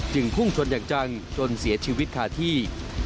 พุ่งชนอย่างจังจนเสียชีวิตคาที่